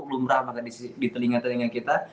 belum rahmat di telinga telinga kita